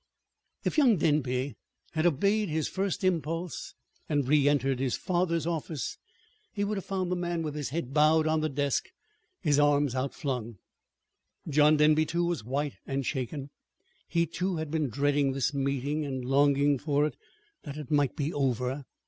If young Denby had obeyed his first impulse and reëntered his father's office he would have found the man with his head bowed on the desk, his arms outflung. John Denby, too, was white and shaken. He, too, had been dreading this meeting, and longing for it that it might be over.